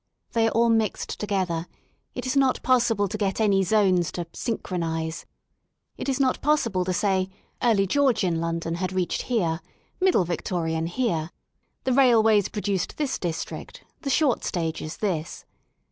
They are all mixed together, it is not possible to get any zones to syn chronise/* it is not possible to say early Georgian London had reached here, middle Victorian here, the railways produced this district, the short stages this."